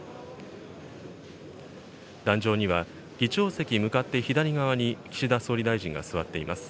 壇上には、議長席むかって左側に岸田総理大臣が座っています。